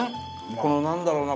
この何だろうな